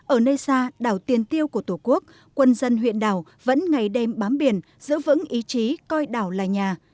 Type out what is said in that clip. ở nơi xa đảo tiền tiêu của tổ quốc quân dân huyện đảo vẫn ngày đêm bám biển giữ vững ý chí coi đảo là nhà